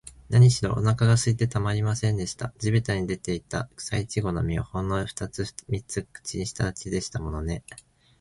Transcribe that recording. なにしろ、おなかがすいてたまりませんでした。地びたに出ていた、くさいちごの実を、ほんのふたつ三つ口にしただけでしたものね。